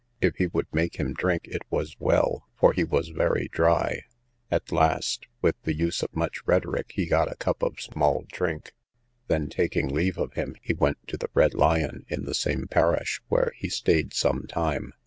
if he would make him drink it was well, for he was very dry: at last, with the use of much rhetoric, he got a cup of small drink; then, taking leave of him, he went to the Red Lion, in the same parish, where he staid some time.